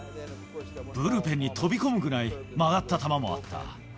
ブルペンに飛び込むぐらい、曲がった球もあった。